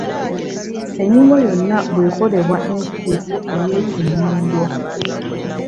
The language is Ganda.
Ennyingo yonna bw’ekolebwa ensirifu ey’ekinnyindwa.